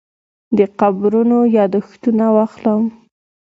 د قبرونو یاداښتونه واخلم.